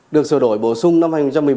được sửa đổi bổ sung năm hai nghìn một mươi bảy